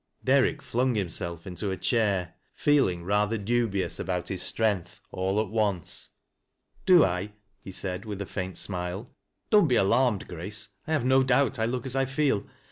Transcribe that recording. Derrick flung himself into a chair, feeling rather dn bious about his strength, all at once. "Do li" he said, with a faint smile. "Don't bi alarmed, Grace, I have no doubt I look as I feel.